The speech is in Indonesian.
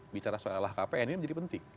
bicara soal alah kpn ini menjadi penting